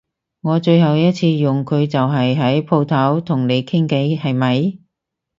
我最後一次用佢就係喺舖頭同你傾偈係咪？